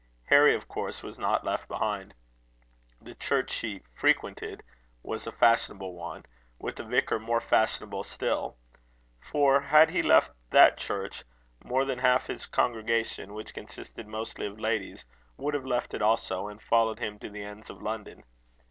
Harry of course was not left behind. The church she frequented was a fashionable one, with a vicar more fashionable still; for had he left that church, more than half his congregation, which consisted mostly of ladies, would have left it also, and followed him to the ends of London.